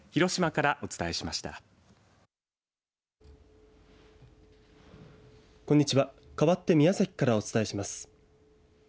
かわって宮崎からお伝えします。